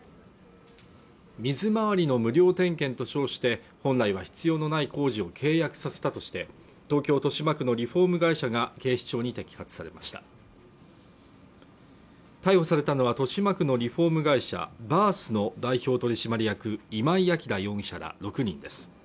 水回りの無料点検と称して本来は必要のない工事を契約させたとして東京豊島区のリフォーム会社が警視庁に摘発されました逮捕されたのは豊島区のリフォーム会社ＢＩＲＴＨの代表取締役今井明容疑者ら６人です